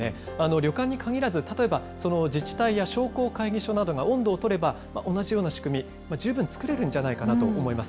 旅館に限らず、例えば自治体や商工会議所などが音頭を取れば、同じような仕組み、十分作れるんじゃないかなと思います。